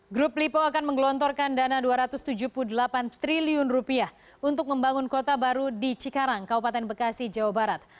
grup lipo akan menggelontorkan dana rp dua ratus tujuh puluh delapan triliun untuk membangun kota baru di cikarang kabupaten bekasi jawa barat